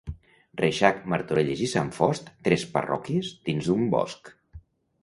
Reixac, Martorelles i Sant Fost, tres parròquies dins un bosc.